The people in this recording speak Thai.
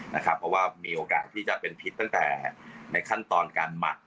เพราะว่ามีโอกาสที่จะเป็นพิษตั้งแต่ในขั้นตอนการหมัก